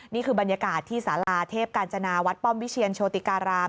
นี่คือบรรยากาศที่สาราเทพกาญจนาวัดป้อมวิเชียนโชติการาม